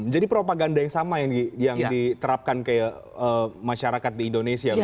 jadi propaganda yang sama yang diterapkan ke masyarakat di indonesia begitu